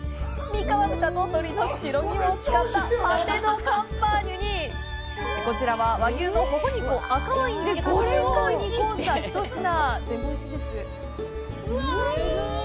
三河豚と鶏の白肝を使ったパテ・ド・カンパーニュにこちらは、和牛のほほ肉を赤ワインで５時間煮込んだ一品。